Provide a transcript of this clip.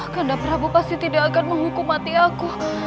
karena prabu pasti tidak akan menghukum mati aku